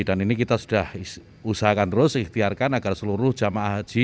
dan ini kita sudah usahakan terus dihiarkan agar seluruh jama' haji